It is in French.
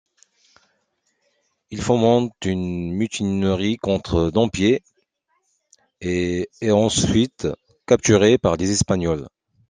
Il fomente une mutinerie contre Dampier, et est ensuite capturé par les Espagnols.